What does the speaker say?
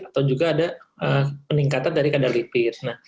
atau juga ada peningkatan dari kadar lipid